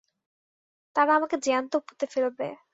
তারা আমাকে জ্যান্ত পুঁতে ফেলবে!